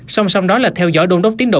song song đó là theo dõi đồn đốt tiến độ